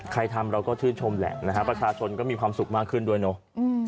ทำเราก็ชื่นชมแหละนะฮะประชาชนก็มีความสุขมากขึ้นด้วยเนอะ